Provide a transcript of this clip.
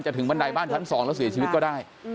จนถึงบันไดบ้านทั้งสองแล้วโตจงสี่ชีวิตก็ได้